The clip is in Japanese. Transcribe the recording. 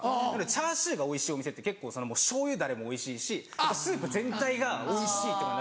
チャーシューがおいしいお店って結構醤油ダレもおいしいしスープ全体がおいしいっていう。